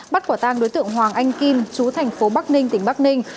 bắt quả tang đối tượng hoàng anh kim chú thành phố bắc ninh tỉnh bắc ninh